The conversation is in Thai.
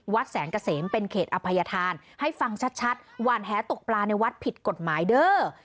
แสงเกษมเป็นเขตอภัยธานให้ฟังชัดหวานแหตกปลาในวัดผิดกฎหมายเด้อ